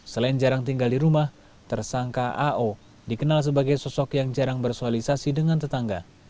selain jarang tinggal di rumah tersangka ao dikenal sebagai sosok yang jarang bersualisasi dengan tetangga